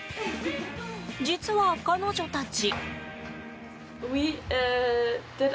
実は、彼女たち。